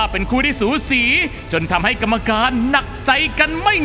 เป็น๑๑๖คะแนนค่ะ